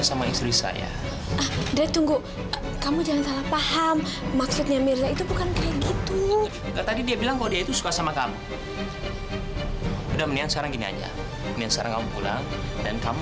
sampai jumpa di video selanjutnya